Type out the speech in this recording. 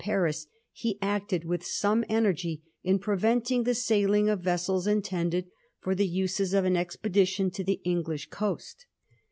155 Paris, he acted with sorre energy in preventing the sailing of vessels intended for the uses of an expedition to the English coast.